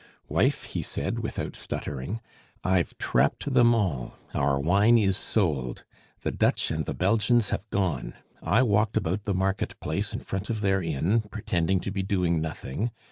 "Wife," he said, without stuttering, "I've trapped them all! Our wine is sold! The Dutch and the Belgians have gone. I walked about the market place in front of their inn, pretending to be doing nothing.